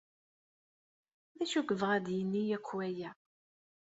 D acu i yebɣa ad d-yini akk waya?